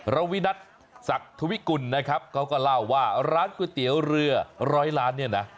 ระวินัทศักดิ์ธวิกุลนะครับเขาก็เล่าว่าร้านก๋วยเตี๋ยวเรือร้อยล้านเนี่ยนะ